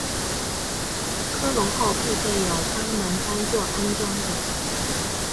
科隆号配备有八门单座安装的。